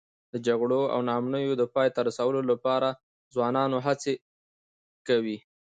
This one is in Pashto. د جګړو او ناامنیو د پای ته رسولو لپاره ځوانان هڅې کوي.